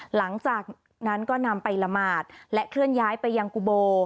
หลังจากนั้นก็นำไปละหมาดและเคลื่อนย้ายไปยังกุโบ